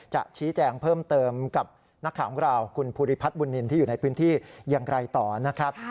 จะชี้แจงเพิ่มเติมกับนักข่าวของเราคุณภูริพัฒนบุญนินที่อยู่ในพื้นที่อย่างไรต่อนะครับ